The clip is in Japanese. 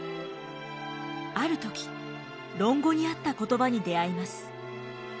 ある時「論語」にあった言葉に出会います。